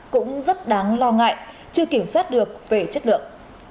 cũng rất đáng lo ngại chưa kiểm soát được về chất lượng